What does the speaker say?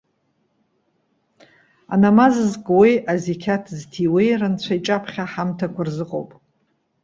Анамаз зкуеи, азеқьаҭ зҭиуеи рынцәа иҿаԥхьа аҳамҭақәа рзыҟоуп.